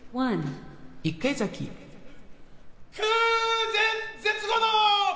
空前絶後の！